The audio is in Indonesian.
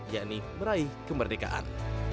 yakni meraih kemerdekaan